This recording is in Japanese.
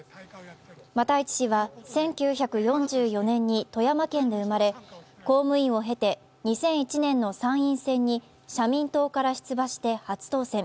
又市氏は１９４４年に富山県で生まれ公務員を経て２００１年の参院選に社民党から出馬して初当選。